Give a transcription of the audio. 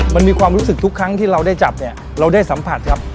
มันมีความรู้สึกทุกครั้งที่เราได้จับเนี่ยเราได้สัมผัสครับ